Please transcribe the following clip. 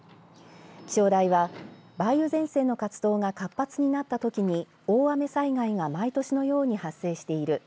気象台は梅雨前線の活動が活発になったときに大雨災害が毎年のように発生している